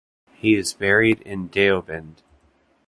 He is buried in Deoband.